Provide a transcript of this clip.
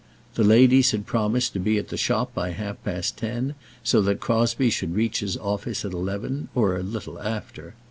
The ladies had promised to be at the shop by half past ten, so that Crosbie should reach his office at eleven or a little after.